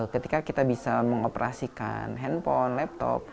ketika kita bisa mengoperasikan handphone laptop